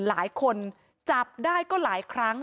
หลายคนจับได้ก็หลายครั้ง